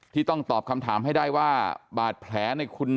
ที่ต้องตอบคำถามให้ได้ว่าบาดแผลในคุณ